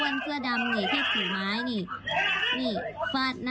เมื่อเช้ามาเอาฮุมบัตรไปทำงานนะ